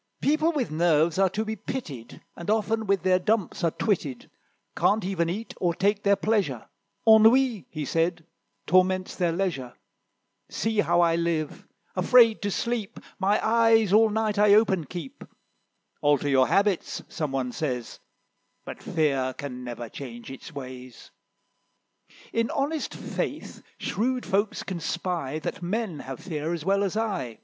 "People with nerves are to be pitied, And often with their dumps are twitted; Can't even eat, or take their pleasure; Ennui," he said, "torments their leisure. See how I live: afraid to sleep, My eyes all night I open keep. 'Alter your habits,' some one says; But Fear can never change its ways: In honest faith shrewd folks can spy, That men have fear as well as I."